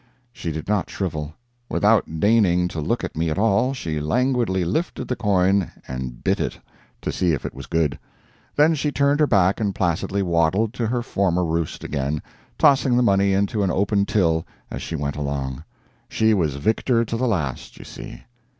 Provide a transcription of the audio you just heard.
She did not shrivel. Without deigning to look at me at all, she languidly lifted the coin and bit it! to see if it was good. Then she turned her back and placidly waddled to her former roost again, tossing the money into an open till as she went along. She was victor to the last, you see.